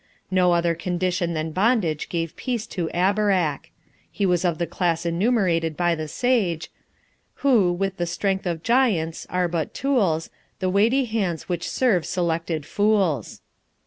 No other condition than bondage gave peace to Abarak. He was of the class enumerated by the sage: Who, with the strength of giants, are but tools, The weighty hands which serve selected fools.